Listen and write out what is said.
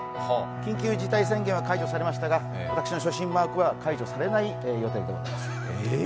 緊急事態宣言は解除されましたが私の初心者マークは解除されない予定でございます。